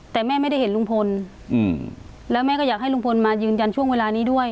แต่แม่ไม่ได้เห็นลุงพลแล้วแม่ก็อยากให้ลุงพลมายืนยันช่วงเวลานี้ด้วย